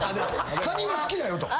カニは好きだよと。